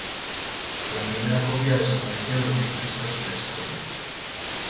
La primera copia desapareció de los registros de la historia.